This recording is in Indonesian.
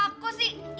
wah kok sih